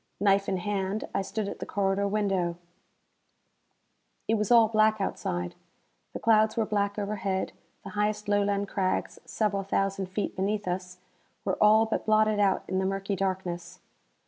Knife in hand, I stood at the corridor window. It was all black outside. The clouds were black overhead; the highest Lowland crags, several thousand feet beneath us, were all but blotted out in the murky darkness.